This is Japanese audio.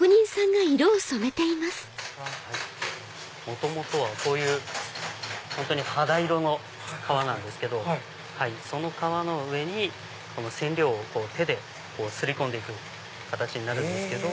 元々はこういう肌色の革なんですけどその革の上に染料を手で擦り込んで行く形になるんです。